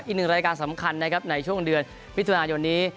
อีกหนึ่งรายการสำคัญนะครับในช่วงเดือนมิถุนายนนี้